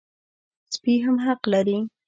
سپي هم حق لري.